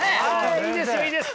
いいですよいいです。